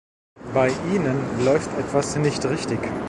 Bei Ihnen läuft etwas nicht richtig.